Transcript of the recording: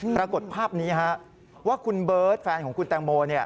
ปรากฏภาพนี้ว่าคุณเบิร์ตแฟนของคุณแตงโม